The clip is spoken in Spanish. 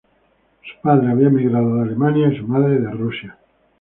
Su padre había emigrado de Alemania y su madre de Rusia.